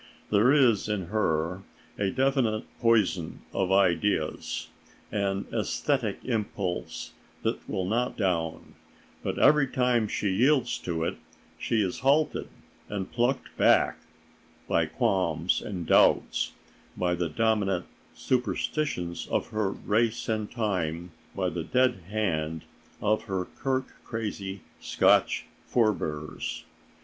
There is in her a definite poison of ideas, an æsthetic impulse that will not down—but every time she yields to it she is halted and plucked back by qualms and doubts, by the dominant superstitions of her race and time, by the dead hand of her kirk crazy Scotch forebears.